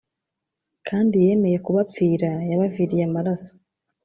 Kandi yemeye kubapfira yabaviriye amaraso